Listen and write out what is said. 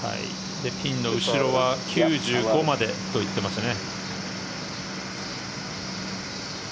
ピンの後ろは９５までと言っていましたね。